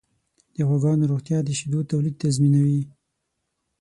د غواګانو روغتیا د شیدو تولید تضمینوي.